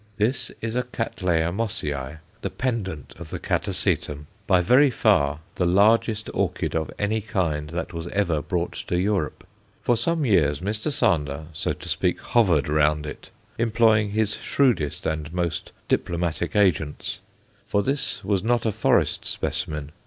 This is a Cattleya Mossiæ, the pendant of the Catasetum, by very far the largest orchid of any kind that was ever brought to Europe. For some years Mr. Sander, so to speak, hovered round it, employing his shrewdest and most diplomatic agents. For this was not a forest specimen.